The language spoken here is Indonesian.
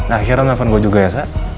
akhirnya nelfon gue juga ya